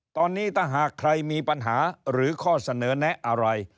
ตอนนี้ถ้าหากใครมีปัญหาหรือข้อเสนอแนะอะไร